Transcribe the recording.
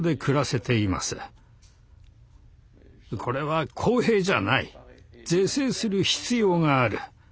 「これは公平じゃない。是正する必要がある」。